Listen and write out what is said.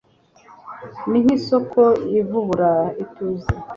Ni nkisoko ivubura ituze